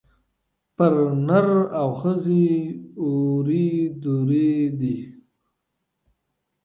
پر نر او ښځي اوري دُرې دي